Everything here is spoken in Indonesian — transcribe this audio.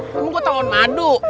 kamu kok tangan madu